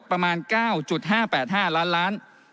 ประมาณ๙๕๘๕ล้านล้าน